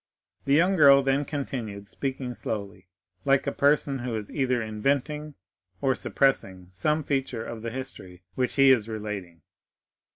The young girl then continued, speaking slowly, like a person who is either inventing or suppressing some feature of the history which he is relating.